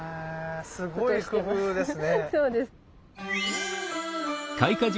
すごい工夫ですね。